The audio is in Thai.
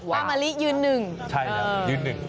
ป้ามะลิยืนหนึ่ง